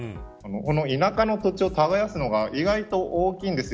田舎の土地を耕すのが意外と大きいんですよ。